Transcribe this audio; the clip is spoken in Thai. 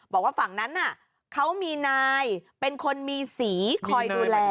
บอกว่าฝั่งนั้นน่ะเขามีนายเป็นคนมีสีคอยดูแล